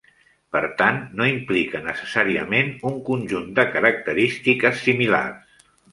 Per tant, no implica necessàriament un conjunt de característiques similars.